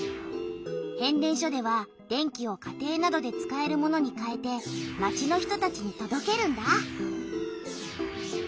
変電所では電気を家庭などで使えるものにかえて町の人たちにとどけるんだ。